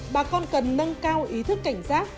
bà con cần nâng cao ý thức cảnh giác